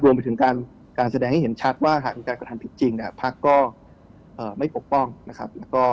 รวมไปถึงการแสดงให้เห็นชัดว่าหากมีการกระทำผิดจริงเนี่ยพักก็ไม่ปกป้องนะครับ